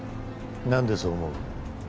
なんでそう思う？